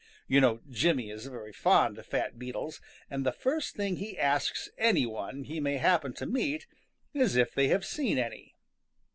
You know Jimmy is very fond of fat beetles, and the first thing he asks any one he may happen to meet is if they have seen any.